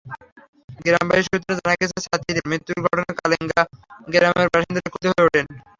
গ্রামবাসী সূত্রে জানা গেছে, ছাতিরের মৃত্যুর ঘটনায় কালেঙ্গা গ্রামের বাসিন্দারা ক্ষুব্ধ হয়ে ওঠেন।